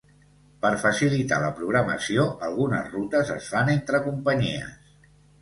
Per facilitar la programació, algunes rutes es fan entre companyies.